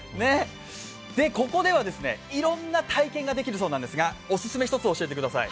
ここではいろんな体験ができるそうなんですが、オススメ１つ教えてください。